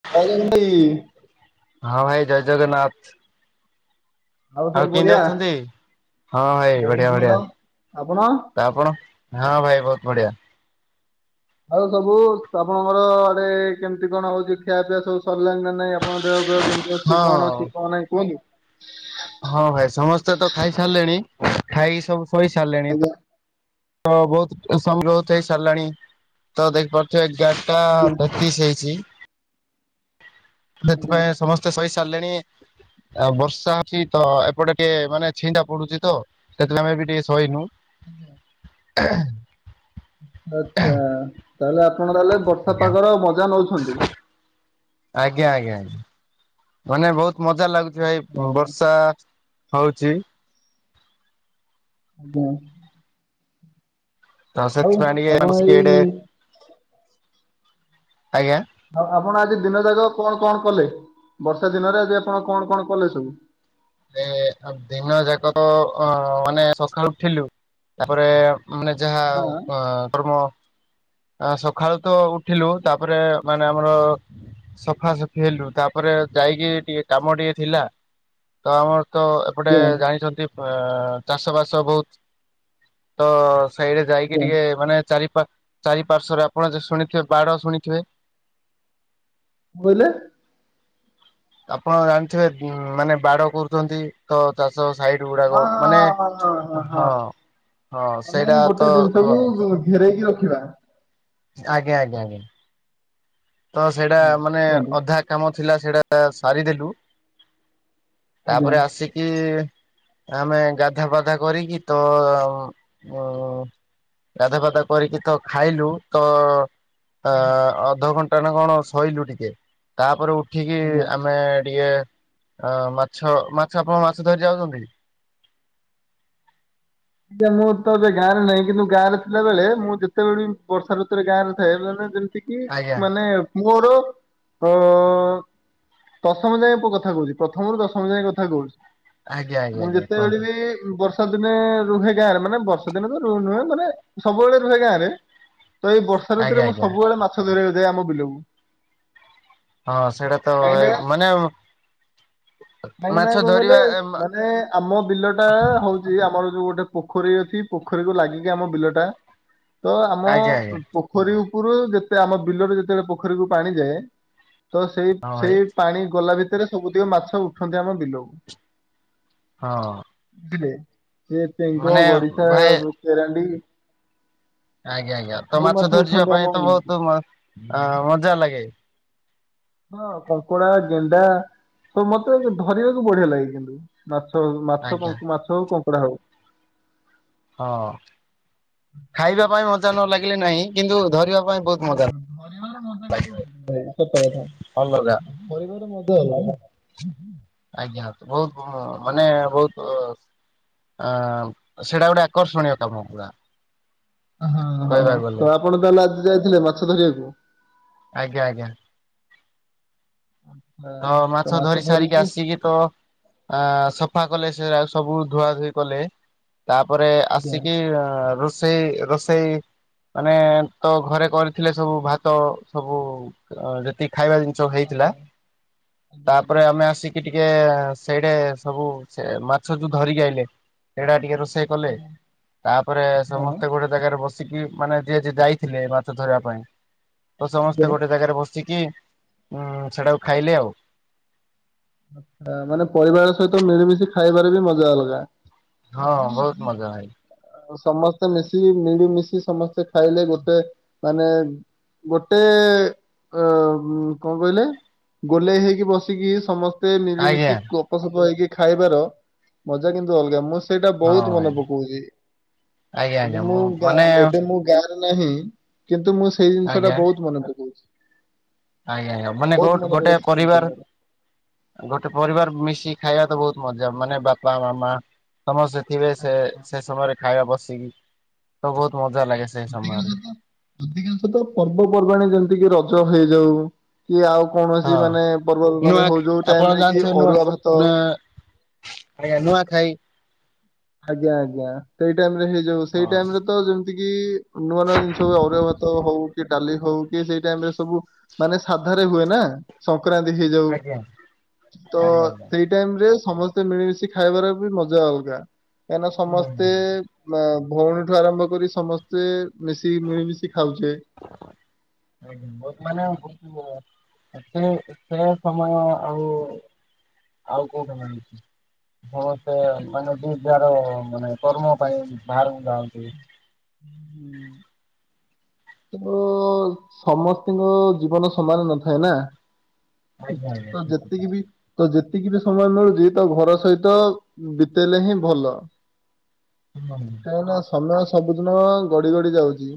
[unintelligible] ହଁ ଭାଇ ଜୟ ଜଗନ୍ନାଥ। ଆଉ ସବୁ କେମିତି ବଢିଆ ଅଛନ୍ତି ହଁ ଭାଇ ବହୁତ ବଢିଆ ଭଲ। ବଢିଆ। ଆପଣ ତ ଆପଣ ହଁ ଭାଇ ବହୁତ ବଢିଆ। ଆଉ ସବୁ ଆପଣଘର ଆଡେ କେମିତି କଣ ହଉଛି ଖିଆ ପିଆ ସବୁ ସରିଲାଣି ନା ନାଇଁ ଆପଣଙ୍କ ଦେହ ଫିୟ କେମିତି ଅଛି ହଁ କଣ ଅଛି କଣ ନାହିଁ କୁହନ୍ତୁ? ହଁ ଭାଇ ସମସ୍ତେ ତ ଖାଇ ସାରିଲେଣି ଖାଇକି ସବୁ ଶୋଇ ସାରିଲେଣି ତ ଆଜ୍ଞା ତ ବହୁତ [unintelligible] ସାରିଲାଣି ତ ଦେଖିପାରୁଥିବେ ଟା ଆଜ୍ଞା ପଚିଶ ହେଇଛି। ଆଜ୍ଞା। ସେଥିପାଇଁ ସମସ୍ତେ ଶୋଇ ସାରିଲେଣି। ଆ ବର୍ଷା ଅଛି ତ ଏପଟେ ଟିକେ ମାନେ ଛିଣ୍ଡା ପଡୁଛି ତ ସେ ଥୀଲାଗିି ଆମେ ବି ଟିକେ ସୋଇନୁ ହୁଁଁ। ହ [unintelligible] ଆଚ୍ଛା ତାହେଲେ ଆପଣ ତାହେଲେ ବର୍ଷା ପାଗର ମଜା ନଉଛନ୍ତି। ଆଜ୍ଞା ଆଜ୍ଞା। ମାନେ ବହୁତ ମଜା ଲାଗୁଛି ଭାଇ ବର୍ଷା ହଉଛି। ଆଜ୍ଞା। ତ ଆଉ ସେଥି ପାଇଁ ଟିକେ ଆପଣ ବସିକି ଏଆ ଡେ ଏଇ ଆଜ୍ଞା ଆ ଉ ଆପଣ ଆଜି ଦିନ ଯାକ କଣ କଣ କଲେ ବର୍ଷା ଦିନରେ ଆଜି ଆପଣ କଣ କଣ କଲେ ସବୁ? ଦିନ ଯାକ ଅ ମାନେ ସକାଳୁ ଉଠିଲୁ ତାପରେ ମାନେ ଯାହା ହଁ ଆଉ କର୍ମ ଆ ସକାଳୁ ତ ଉଠିଲୁ ତାପରେ ମାନେ ଆମର ସଫା ସଫି ହେଲୁ ତାପରେ ଯାଇକି ଟିକେ କାମ ଟିକେ ଥିଲା ତ ଆମର ତ ଏପଟେ ଆଜ୍ଞା ଜାଣିଛନ୍ତି ଅ ଚାଷ ବାସ ବହୁତ ତ ସାଇଡରେ ଯାଇକି ଆଜ୍ଞା। କଣ ଟିକେ ମାନେ ଚାରି ପା ଚାରି ପାଶ୍ୱ ରେ ଆପଣ ଶୁଣିଥିବେ ବାଡ ଶୁଣିଥିବେ। ବୋଇଲେ ଆପଣ ଜାଣିଥିବେ ମାନେ ବାଡ କରୁଛନ୍ତି। ତ ଚାଷ ସାଇଡ ହଁ ଗୁଡାକ ମାନେ ହଁ ହଁ ମାନେ ସେଇଟା ଗୋଟେ ତ ଜିନିଷକୁ ଘେରଇକି ରଖିବା। ଆଜ୍ଞା ଆଜ୍ଞା ଆଜ୍ଞା। ତ ସେଇଟା ହଁ ମାନେ କୁହନ୍ତୁ ଅଧା କାମ ଥିଲା ସେଇଟା ସାରିଦେଲୁ। ଆଜ୍ଞା। ତାପରେ ଆସିକି ଆମେ ଗାଧୁଆ ପାଧୁଆ କରିକି ତ ଅ ଗାଧୁଆ ପାଧୁଆ କରିକି ତ ଖାଇଲୁ ତ ତ ଆଜ୍ଞା ଅଧଘଣ୍ଟା ନା କଣ ସୋଇଲୁ ଟିକେ ତାପରେ ଉଠିକି ଆଜ୍ଞା। ଆମେ ଟିକେ ଅ ମାଛ ମାଛ ଆପଣ ମାଛ ଧରି ଯାଉଛନ୍ତି? ଆଜ୍ଞା ମୁଁ ତ ଏବେ ଗାଁରେ ନାହିଁ କିନ୍ତୁ ଗାଁରେ ଥିଲାବେଳେ ମୁଁ ଯେତେବେଳେ ବି ବର୍ଷା ଋତୁରେ ଗାଁ ରେ ଥାଏ ମାନେ ଟିକେ ଆଜ୍ଞା ମାନେ ପୁଅର ଅ ଦଶମ ଯାଏଁ କଥା କହୁଛି ପ୍ରଥମରୁ ଦଶମ ଯାଏ କଥା କହୁଛି। ଆଜ୍ଞା ଆଜ୍ଞା ମୁଁ ଆଜ୍ଞା ଯେତେବେଳେ କୁହନ୍ତୁ ବି ବର୍ଷା ବର୍ଷା ଦିନେ ରୁହେ ଗାଁ ରେ ମାନେ ବର୍ଷା ଦିନେ ତ ନୁହେଁ ମାନେ ସବୁବେଳେ ରୁହେ ଗାଁ ରେ ତ ଏଇ ବର୍ଷା ଆଜ୍ଞା ଋତୁରେ ମୁଁ ଆଜ୍ଞା ସବୁବେଳେ ମାଛ ଧରିବାକୁ ଯାଏ ଆମ ବିଲକୁ। ହଁ ସେଇଟା ତଏ ମାନେ କାହଁକି ମାଛ ନା କଣ କହିଲେ ଧରିବା ମାନେ ଆମ ବିଲ ଟା ହଉଛି ଆମର ଯୋଉ ଗୋଟେ ପୋଖରୀ ଅଛି ପୋଖରୀକୁୁ ଲାଗିକି ଆମ ବିଲଟା ତ ଆମ ଆଜ୍ଞା ଆଜ୍ଞା ପୋଖରୀ ଉପରୁ ଯେତେ ଆମ ବିଲରେ ଯେତେବେଳେ ପୋଖରୀକୁ ପାଣି ଯାଏ ତ ସେଇ ହଁ ଭାଇ ସେଇ ପାଣି ଗଲା ଭିତରେ ସବୁଟିକ ମାଛ ଉଠନ୍ତି ଆମ ବିଲକୁ ହଁ। ବୁଝିଲେ ସେ ଚେଙ୍ଗ, ମାନେ ଗଡ଼ିଶା, ଭାଇ କେରାଣ୍ଡି ଆଜ୍ଞା ଆଜ୍ଞା ତ ସବୁ ମାଛ ଧରିଯିବା ଉଠନ୍ତି ଆମ ପାଇଁ ତ ବିଲକୁ। ବହୁତ ଅ ମଜା ଲାଗେ। ହଁ କଙ୍କଡା, ଗେଣ୍ଡା ସବୁ ମତେ ଧରିବାକୁ ବଢିଆ ଲାଗେ କିନ୍ତୁ। ମାଛ ମାଛ ଆଜ୍ଞା। ମାଛ ହଉ କଙ୍କଡ଼ା ହଉ। ହଁ ଖାଇବା ପାଇଁ ମଜା ନ ଲାଗିଲେ ନାହିଁ କିନ୍ତୁ ଧରିବା ପାଇଁ ବହୁତ ମଜା ଲାଗେ। ହଁ ଧରିବାର ମଜା କିନ୍ତୁ ଅଲଗା। ଅଲଗା [inaudible] ଆଜ୍ଞା ବହୁତ ମାନେ ବହୁତ ଅ ସେଇଟା ଗୋଟେ ଆକର୍ଷଣୀୟ କାମ ପୁରା। ହଁ ହଁ କହିବାକୁ ଗଲେ ତ ଆପଣ ତାହେଲେ ଆଜି ଯାଇଥିଲେ ମାଛ ଧରିବାକୁ? ଆଜ୍ଞା ଆଜ୍ଞା। ତ ମାଛ ଧରି ସାରିକି ଆସିକି। ତ ଆ ସଫା କଲେ ସେ ସବୁ ଧୁଆ ଧୁଇ କଲେ। ତାପରେ ଆଜ୍ଞା। ଆସିକି ରଷ ରୋଷେଇ ରୋଷେଇ ମାନେ ତ ଘରେ କରିଥିଲେ ସବୁ ଭାତ ସବୁ ଯେତିକି ଖାଇବା ଜିନିଷ ହେଇଥିଲା ଆଜ୍ଞା ଆଜ୍ଞା ଆଜ୍ଞା। ତାପରେ ଆମେ ଆସି କି ଟିକେ ସେଇଟା ସବୁ ସେ ମାଛ ଯୋଉ ଧରିକି ଆଇଲେ ସେଇଟା ଟିକେ ରୋଷେଇ କଲେ ଆଜ୍ଞା। ତାପରେ ହଁ। ସମସ୍ତେ ଗୋଟେ ଜାଗାରେ ବସ ବସିକି ମାନେ ଯିଏ ଯିଏ ଯାଇଥିଲେ ମାଛ ଧରିବା ପାଇଁ ତ ଆଜ୍ଞା ସମସ୍ତେ ଗୋଟେ ଜାଗାରେ ବସିକି। ହୁଁ ସେଟାକୁ ଖାଇଲେ ଆଉ ଆଛା ମାନେ ପରିବାର ସହିତ ମିଳିମିଶି ଖାଇବାରେ ବି ମଜା ଅଲଗା। ହଁ ବହୁତ ମଜା ଭାଇ। ସମସ୍ତେ ମିଶି ମିଳିମିଶି ସମସ୍ତେ ଖାଇଲେ ଗୋଟେ ମାନେ ଗୋଟେ ଅ କଣ କହିଲେ? ଗୋଲେଇ ହେଇକି ବସିକି ସମସ୍ତ ମତେ ଆଜ୍ଞା ମିଳିମିଶି କପ ସପ ହେଇକି ଖାଇବାର ମଜା କିନ୍ତୁ ଅଲଗା ମୁଁ ସେଇଟା ହଁ ବହୁତ ଭାଇ ମନେ ପକାଉଛି ଆଜ୍ଞା ଆଜ୍ଞା ଏବେ ମୁଁ ମାନେ ଏବେ ମୁଁ ଗ ନାହିଁ କିନ୍ତୁ ମୁଁ ସେଇ ଜିନିଷ ଟା ଆଜ୍ଞା ବହୁତ ମନେ ପକଉଛି। ଆଜ୍ଞା କଣ ମାନେ ବହୁତ ମନେ ଗୋଟେ ପଡେ ସେ ଜିନିଷ ପରିବାର ମୋର। ଗୋଟେ ପରିବାର ମିଶି ଖାଇବା ତ ବହୁତ ମଜା ମାନେ ବାପା ମାମା ସମସ୍ତେ ଥିବେ ସେ ଆଜ୍ଞା। ସେ ସମୟରେ ଖାଇବା ବସିକି ତ ବହୁତ ମଜା ଲାଗେ। ସେ ସମୟରେ ଅଧିକାଂଶ ଅଧିକାଂଶ ତ ପର୍ବପର୍ବାଣି ଯେମିତିକି ରଜ ହେଇଯାଉ। କି ଆଉ କୌଣସି ହଁ ମାନେ ନୂଆ ପର୍ବପର୍ବାଣି ହଉ ଯୋଉ ଆପଣ ଟାଇମ ରେ କି ଜାଣିଥିବେ ନୂଆ ଅରୁଆ ଭାତ। ନୂଆ ଆଜ୍ଞା ନୂଆଖାଇ। ଆଜ୍ଞା ଆଜ୍ଞା ସେଇ ଟାଇମରେ ହେଇଯାଉ। ହଁ। ସେଇ ଟାଇମରେ ତ ତିକି ନୂଆ ନୂଆ ଜିନିଷ ଅରୁଆ ଭାତ ହଉ କି ଡାଲି ହଉ କି ସେଇ ଟାଇମ ରେ ସବୁ ମାନେ ସାଧାରେ ହୁଏ ନା ସଂକ୍ରାନ୍ତି ହେଇଯାଉ। ଆଜ୍ଞା ତ ଆଜ୍ଞା ଆଜ୍ଞା ସେଇ ଟାଇମରେ ସମସ୍ତେ ମିଳିମିଶି ଖାଇବାର ବି ମଜା ଅଲଗା। କାହିଁନା ହୁଁ ହୁଁ ସମସ୍ତେ ହୁଁ। ନା ଭଉଣୀଠୁ ଆରମ୍ଭ କରି ସମସ୍ତେ ମିଶିକି ମିଳିମିଶି ଖାଉଛେ। ବହୁତ ମାନେ ବହୁତ ସେ ସେ ସମୟ ଆଉ ଆଉ କୋଉ କଣା ହେଇଛି ହଁ। ସେ ମାନେ ଯିଏ ଯାର ମାନେ କର୍ମ ପାଇଁ ବାହାରକୁ ଯାଆନ୍ତି। ତ ସମସ୍ତଙ୍କ ଜୀବନ ସମାନ ନଥାଏ ନା। ଆଜ୍ଞା ଆଜ୍ଞା ତ ଯେତିକି ବି ତ ଯେତିକି ବି ସମୟ ମିଳୁଛି ତ ଘର ସହିତ ବିତେଇଲେ ହିଁ ଭଲ। ହଁ। ନାଇଁ ନା ସମୟ ସବୁଦିନ ଗଡି ଗଡି ଯାଉଛି।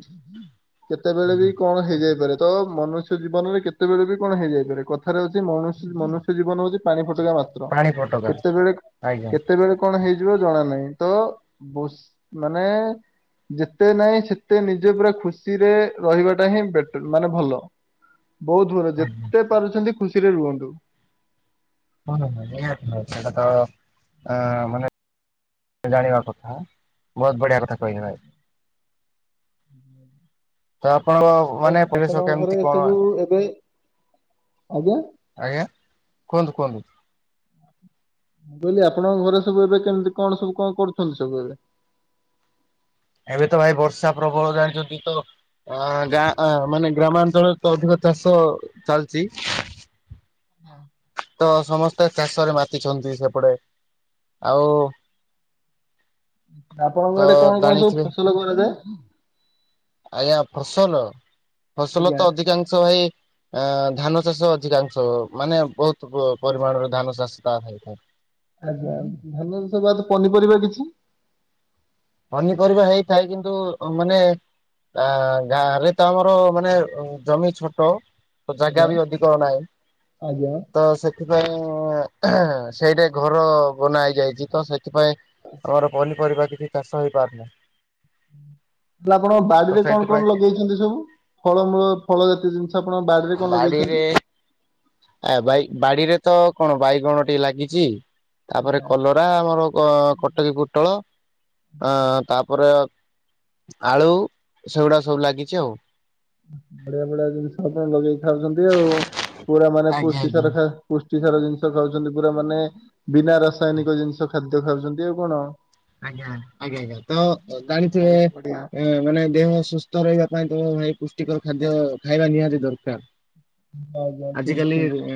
କେତେବେଳେ ବି ହୁଁ କଣ ହେଇ ଯାଇପାରେ। ତ ମନୁଷ୍ୟ ଜୀବନରେ କେତେବେଳେ ବି କଣ ହେଇ ଯାଇପାରେ। କଥାରେ ହଉଛି ମଣୁ ମନୁଷ୍ୟ ଜୀବନ ହଉଛି ପାଣି ଫଟକା ମାତ୍ ତ୍ର ପାଣି ଫୋଟକା କେତେବେଳେ ଆଜ୍ଞା କେତେବେଳେ କଣ ହେଇଯିବ ଜଣା ନାହିଁ। ତ ବୁସ ମାନେ ଯେତେ ନାହିଁ ସେତେ ନିଜେ ପୁରା ଖୁସି ଖୁସିରେ ରହିବାଟା ହିଁ ବେଟ ମାନେ ଭଲ ବହୁତ ଭଲ। ଆଜ୍ଞା ଯେତେ ପାରୁଛନ୍ତି ଖୁସିରେ ରୁହନ୍ତୁ। ହୁଁ ହଁ ଏଇଟା ତ ଆ ମାନେ ଜାଣିବା କଥା ବହୁତ ବଢିଆ କଥା କହିଲେ ଭାଇ। [unintelligible] ତ ଆପଣଙ୍କ ଆଉ ମାନେ ପରିବେଶ ଆପଣଙ୍କ ଘରେ କେମିତି କଣ? ସବୁ ଏବେ ଆଜ୍ଞା ଆଜ୍ଞା କୁହନ୍ତୁ କୁହନ୍ତୁ। ମୁଁ କହିଲି ଆପଣଙ୍କ ଘରେ ସବୁ ଏବେ କେମିତି କଣ ସବୁ କଣ କରୁଛନ୍ତି ସବୁ ଏବେ? ଏବେ ତ ଭାଇ ବର୍ଷା ପ୍ରବଳ ଜାଣିଛନ୍ତି। ତ ଅ ଗା ମାନେ ଗ୍ରାମାଞ୍ଚଳରେ ତ ଅଧିକ ଚାଷ ଚାଲିଛି। [inaudible] ତ ସମସ୍ତେ ଚାଷରେ ମାତିଛନ୍ତି ସେପଟେ। ଆଉ ତ ଆପଣଙ୍କ ଏଠେ କଣ କଣ ସବୁ ଫସଲ କରାଯାଏ? ଆଜ୍ଞା ଫସଲ ଫସଲ ଆଜ୍ଞା। ତ ଅଧିକାଂଶ ଭାଇ ଅ ଧାନ ଚାଷ ଅଧିକାଂଶ ମାନେ ବହୁତ ପରିମାଣରେ ଧାନ ଚାଷ ତା ହେଇଥାଏ। ଆଜ୍ଞା ଆଜ୍ଞା ଧାନ ଚାଷ ବାଦ୍ ପନିପରିବା କିଛି? ପନିପରିବା ହେଇଥାଏ। କିନ୍ତୁ ମାନେ ଆ ଗାଁରେ ତ ଆମର ମାନେ ଜମି ଛୋଟ। ତ ଜାଗା ଆଜ୍ଞା। ବି ଅଧିକ ନାହିଁ। ଆଜ୍ଞା। ତ ସେ ସେଥିପାଇଁ ସେଇଟା ଘର ବନା ହେଇଯାଇଛି। ତ ସେଥିପାଇଁ [unintelligible] ପନିପରିବା କିଛି ଚାଷ ହେଇପାରୁନାହି। ହେଲେ ଆପଣଙ୍କ ବାଡିରେ କଣ ସେଇଥିପାଇଁ କଣ ଲଗେଇଛନ୍ତି ସବୁ? ଫଳମୂଳ ଫଳ ଜାତୀୟ ଜିନିଷ ଆପଣ ବାଡ଼ିରେ କଣ ଲଗେଇଛନ୍ତି? ଏ ବାଇ ବାଡିରେ ତ କଣ ବାଇଗଣ ଟିକେ ଲାଗିଛି। ତାପରେ ଆଜ୍ଞା, କଲରା ଆମର ଅ କଟକୀ ପୋଟଳ। ଅ ତାପରେ ଆଳୁ ସେଗୁଡା ସବୁ ଲାଗିଚି ଆଉ। ବଢିଆ ବଢିଆ ଜିନିଷ ତ ଲଗେଇକି ଖାଉକନ୍ତି ଆଉ ପୁରା ମାନେ ଆଜ୍ଞା ପୁଷ୍ଟି ଆଜ୍ଞା ସାର ଖା ପୁଷ୍ଟି ସାର ଜିନିଷ ଖାଉଚନ୍ତି ପୁରା ମାନେ ବିନା ରାସାୟନିକ ଜିନିଷ ଖାଦ୍ୟ ଖାଉଚନ୍ତି ଆଉ କଣ? ଆଜ୍ଞା ଆଜ୍ଞା ଆଜ୍ଞା ତ ବହୁତ ବଢିଆ। ଜାଣିଥିବେ ମାନେ ଦେହ ସୁସ୍ଥ ରହିବା ପାଇଁ ତମ ଭାଇ ପୁଷ୍ଟିକର ଖାଦ୍ୟ ଖାଇବା ନିହାତି ଦରକାର। ଆଜ୍ଞା ଠିକ୍ ଆଜିିକାଲି ଠିକ୍। ରେ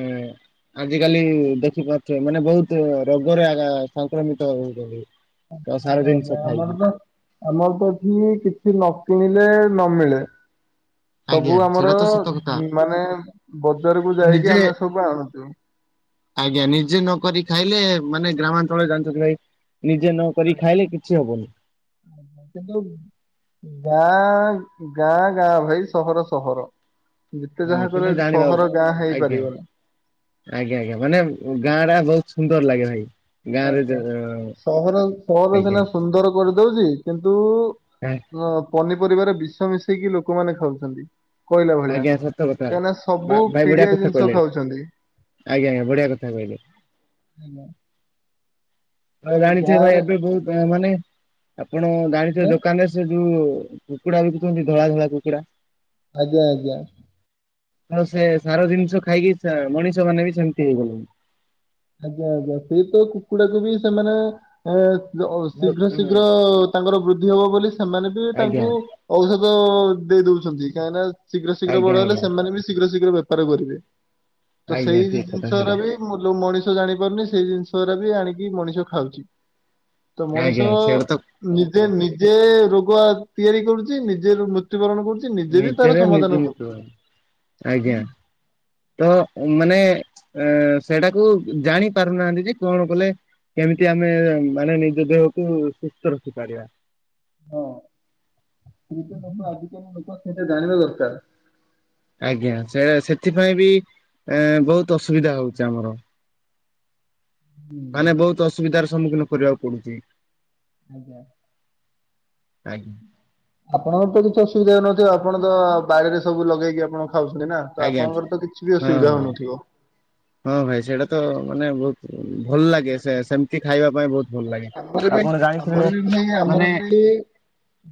ଆଜିକାଲି ଦେଖିପାରୁଥିବେ ମାନେ ବୋହୁତ ରୋଗରେ ଏଗା ସଂକ୍ରମିତ ହୋଉଚନ୍ତି। ଆଜ୍ଞା ଆଜ୍ଞା ଆମର ତ ଆମର ତ ଏଠି କିଛି ନ କିଣିଲେ ନ ମିଳେ। ସବୁ ଆଜ୍ଞା ଆମର ସେଇଟା ତ ସତ କଥା ମାନେ ବଜାରକୁ ଯାଇକି ନିଜେ ଆମେ ସବୁ ଆଣୁଚୁ। ଆଜ୍ଞା ନିଜେ ନକରିକି ଖାଇଲେ ମାନେ ଗ୍ରାମାଞ୍ଚଳରେ ଜାଣିଚନ୍ତି ଭାଇ ନିଜେ ନକ ଖାଇଲେ କିଛି ହବନି। ସେ ଯୋଉ ଗାଁ ଗାଁ ଗାଁ ଭାଇ ସହର ସହର। ଯେତେ ହଁ ଯାହା କରେ କିନ୍ତୁ ଜାଣିବା ସହର ଗାଁ ଆଜ୍ଞା ହେଇପାରିବ ନାଇଁ। ଆଜ୍ଞା ଆଜ୍ଞା ମାନେ ଗାଁ ଟା ବୋହୁତ ସୁନ୍ଦର ଲାଗେ ଭାଇ। ଗାଁରେ ଯେ ଆଜ୍ଞା ସହର ସହର ଆଜ୍ଞା ସିନା ସୁନ୍ଦର କରିଦୋଉଚି କିନ୍ତୁ ହଁ ପନିପରିବାରେ ବିଷ ମିଶେଇକି ଲୋକମାନେ ଖାଉଚନ୍ତି। କହିଲା ଭଳିଆ ଆଜ୍ଞା ସତ କଥା। କାହିଁକିନା ଭା ସବୁ ଭାଇ ବଢିଆ ପିଡିଆ କଥା ଜିନିଷ କହିଲେ ଖାଉଛନ୍ତି। ଆଜ୍ଞା ଆଜ୍ଞା ଢିଆ କଥା କହିଲେ। ହାଲୋ। ହ ଜାଣିଥିବ ଭାଇ ଗାଁରେ ଏବେ ବୋହୁତ ମାନେ ଆପଣ ଜାଣିଥିବେ ଆଜ୍ଞା ଦୋକାନରେ ସେ ଯୋଉ କୁକୁଡ଼ା ବିକୁଚନ୍ତି ଧଳା ଧଳା କୁକୁଡ଼ା? ଆଜ୍ଞା ଆଜ୍ଞା। ଆଉ ସେ ସାର ଜିନିଷ ଖାଇକି ମଣିଷ ମାନେ ବି ସେମିତି ହେଇଗଲେଣି। ଆଜ୍ଞା ଆଜ୍ଞା ସେଇ ତ କୁକୁଡାକୁ ବି ସେମାନେ ଏ ଶୀଘ୍ର ଶୀଘ୍ର ତାଙ୍କର ବୃଦ୍ଧି ହବ ବୋଲି ସେମାନେ ବି ଆଜ୍ଞା ତାଙ୍କୁ ଔଷଧ ଦେଇ ଦୋଉଚନ୍ତି କାହିଁକିନା ଶୀଘ୍ର ଶୀଘ୍ର ଆଜ୍ଞା ବଡ ହେଲେ ଆଜ୍ଞା ସେମାନେ ବି ଶୀଘ୍ର ଶୀଘ୍ର ବେପାର କରିବେ ତ ଆଜ୍ଞା ସେଇ ଠିକ କଥା ଜିନିଷଗୁରା ସେଇଟା ବି ମୂଳ ମଣିଷ ଜାଣି ପାରୁନି ସେଇ ଜିନିଷାଗୁରାବି ଆଣିକି ମଣିଷ ଖାଉଚି। ତ ମଣିଷ ଆଜ୍ଞା ସେଇଟା ତ ନିଜେ ନିଜେ ରୋଗ ତିଆରି କରୁଚି ନିଜେ ମୃତ୍ୟୁବରଣ କରୁଚି। ନିଜର ନିଜେ ମୁତୁବରଣ ଆଜ୍ଞା। ତ ମାନେ ଅ ସେଇଟାକୁ ଜାଣି ପାରୁନାହାନ୍ତି ଯେ କଣ କଲେ କେମିତି ଆମେ ମାନେ ନିଜ ଦେହକୁ ସୁସ୍ଥ ରଖିପାରିବା? ହଁ [unintelligible] ଆଜିକାଲି ଲୋକ ସେତା ଜାଣିବା ଦରକାର। ଆଜ୍ଞା ସେ ସେଥିପାଇଁ ବି ଏ ବୋହୁତ ଅସୁବିଧା ହୋଉଛି ଆମର। [unintelligible] ହୁଁ ମାନେ ବୋହୁତ ଅସୁବିଧାର ସମ୍ମୁଖୀନ କରିବାକୁ ପଡୁଚି। ଆଜ୍ଞା। ଆଜ୍ଞା। ଆପଣଙ୍କର ତ କିଛି ଅସୁବିଧା ହେଉନଥିବ ଆପଣ ତ ବାଡିରେ ସବୁ ଲଗେଇକି ଆପଣ ଖାଉଚନ୍ତି ନା। ତ ଆଜ୍ଞା ଆପଣଙ୍କର ତ କିଛି ବି ହଁ ଅସୁବିଧା ହଁ ହଉନଥିବ। ହଁ ଭାଇ ସେଇଟା ତ ମାନେ ବୋହୁତ ଭଲ ଲାଗେ ସେ ସେମିତି ଖାଇବା ପାଇଁ ବୋହୁତ ଆପର ବି ଆମର ବି ଭାଇ ମାନେ ଆମର ବି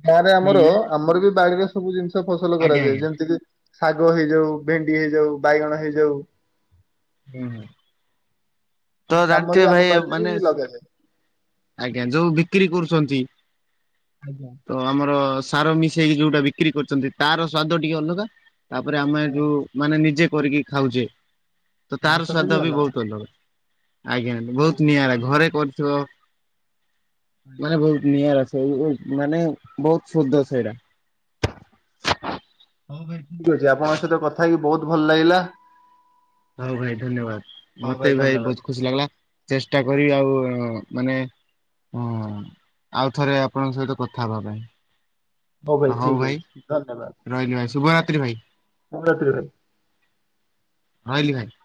ଗାଁରେ ହୁଁ ଆମର ଆମର ବି ବାଡିରେ ସବୁ ଜିନିଷ ଫସଲ ଆଜ୍ଞା ଆଜ୍ଞା କରାଯାଏ ଯେମିତିକି ଶାଗ ହେଇଯାଉ ଭେଣ୍ଡି ହେଇଯାଉ, ବାଇଗଣ ହେଇଯାଉ। ହୁଁ ହୁଁ ତ ଆମର ବି ଜାଣିଥିବେ ଆମ ଭାଇ ବାଡିରେ ବି ମାନେ ଲଗାଯାଏ। ଆଜ୍ଞା ଯୋଉ ବିକ୍ରି କରୁଛନ୍ତି ଆଜ୍ଞା। ତ ଆମର ସାର ମିଶେଇକି ଯୋଉଟା ବିକ୍ରି କରୁଛନ୍ତି ତାର ସ୍ଵାଦ ଟିକେ ଅଲଗା। ତାପରେ ଆମେ ହଁ ଯୋଉ ମାନେ ନିଜେ କରିକି ଖାଉଚେ ତ ତାର ସ୍ଵାଦ ବି ବୋହୁତ ଅଲଗା। ଆଜ୍ଞା ତ ହଉ ଭୋଉତ ନିଆରା ଠିକ ଘରେ କରୁଥିବ ମାନେ ଭୋଉତ ନିଆରା ସେଇ ଏଇ ମାନେ ବୋହୁତ ଶୁଦ୍ଧ ସେଇଟା। ହଉ ଭାଇ ଠିକ୍ ଅଛି ଆପଣଙ୍କ ସହିତ କଥା ହେଇକି ବୋହୁତ ଭଲ ଲାଗିଲା। ହଉ ଭାଇ ଧନ୍ୟବାଦ ହଉ ମତେ ବି ଭାଇ ଧନ୍ୟବାଦ ଭୋଉତ ଖୁସି ଲାଗିଲା ଚେଷ୍ଟା କରିବି ଆଉ ମାନେ ହଁ ଆଉ ଥରେ ଆପଣଙ୍କ ସହିତ କଥା ହବା ପାଇଁ। ତ ହଉ ଠିକ ଭାଇ ଅଛି ଧନ୍ୟବାଦ ରହିଲି ଭାଇ ଶୁଭରାତ୍ରି ଭାଇ। [unintelligible] ରହିଲି ଭାଇ।